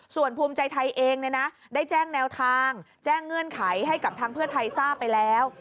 ส่วนภูมิใจไทยเองได้แจ้งแนวทางแจ้งเงื่อนไขให้กับทางเพื่อไทยทราบไปแล้ว